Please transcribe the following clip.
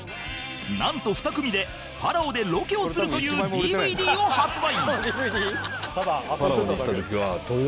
なんと２組でパラオでロケをするという ＤＶＤ を発売